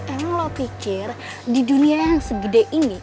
emang lo pikir di dunia yang segede ini